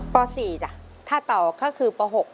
ป๔จ้ะถ้าต่อก็คือป๖